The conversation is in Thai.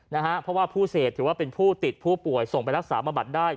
เพราะว่าผู้เสพถือว่าเป็นผู้ติดผู้ป่วยส่งไปรักษามาบัดได้